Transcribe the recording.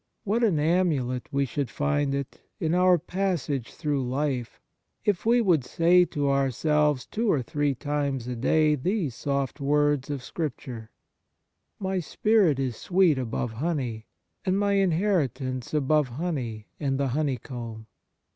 What an amulet we should find it in our passage through life if we would say to ourselves two or three times a day these soft words of Scripture :' My spirit is sweet above honey, and my inheritance above honey and the honeycomb.'"